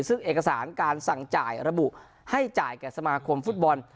ซึ่งเอกสารการสั่งจ่ายระบุให้จ่ายแก่สมาคมฟุตบอล